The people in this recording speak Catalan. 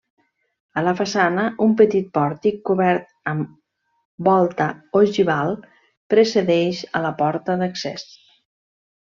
A la façana un petit pòrtic cobert amb volta ogival precedeix a la porta d'accés.